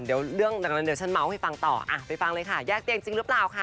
เดี๋ยวเรื่องดังนั้นเดี๋ยวฉันเมาส์ให้ฟังต่อไปฟังเลยค่ะแยกเตียงจริงหรือเปล่าค่ะ